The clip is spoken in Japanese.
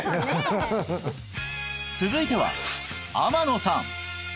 続いては天野さん